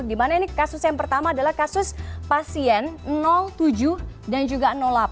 dimana ini kasus yang pertama adalah kasus pasien tujuh dan juga delapan